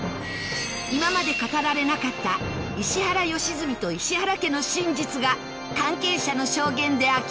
今まで語られなかった石原良純と石原家の真実が関係者の証言で明らかになる